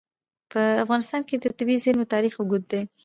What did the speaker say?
په افغانستان کې د طبیعي زیرمې تاریخ اوږد دی.